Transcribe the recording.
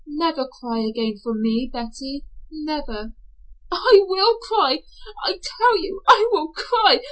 Never cry again for me, Betty, never." "I will cry. I tell you I will cry.